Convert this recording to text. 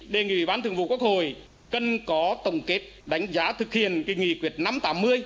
đề nghị ban thường vụ quốc hội cần có tổng kết đánh giá thực hiện nghị quyết năm trăm tám mươi